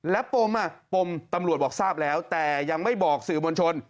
และปมปมตำรวจบอกทราบแล้วแต่ยังไม่บอกสื่อมวลชน